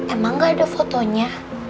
emang gak ada fotonya